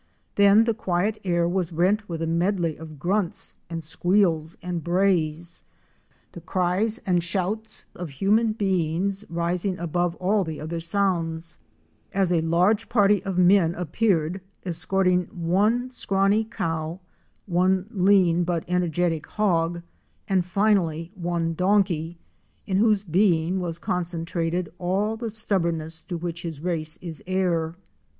Then the quiet air was rent with a medley of grunts and squeals and brays, the cries and shouts of human beings rising above all the other sounds, as a large party of men appeared escorting one scrawny cow, one lean but energetic hog, and finally one donkey, in whose being was concentrated all the stubborness to which his race is heir.